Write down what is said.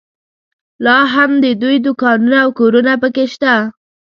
لا هم د دوی دوکانونه او کورونه په کې شته.